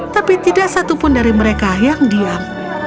tapi tidak satupun dari mereka yang diam